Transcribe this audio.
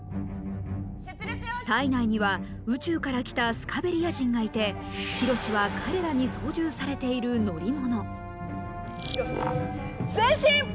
体内には宇宙から来たスカベリア人がいてヒロシは彼らに操縦されている乗り物緋炉詩前進！